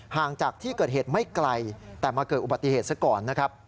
ห่างจากที่เกิดเหตุไม่ไกลแต่มาเกิดอุบัติเหตุซะก่อนนะครับ